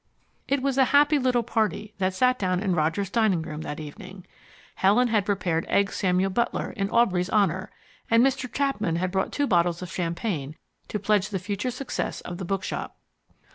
It was a happy little party that sat down in Roger's dining room that evening. Helen had prepared Eggs Samuel Butler in Aubrey's honour, and Mr. Chapman had brought two bottles of champagne to pledge the future success of the bookshop.